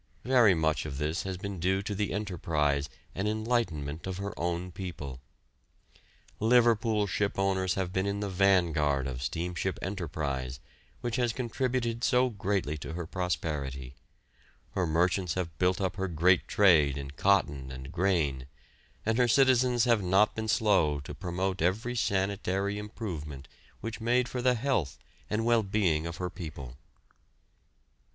Very much of this has been due to the enterprise and enlightenment of her own people. Liverpool shipowners have been in the vanguard of steamship enterprise, which has contributed so greatly to her prosperity; her merchants have built up her great trade in cotton and grain, and her citizens have not been slow to promote every sanitary improvement which made for the health and well being of her people.